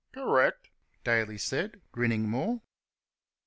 "Correct," Daly said, grinning more.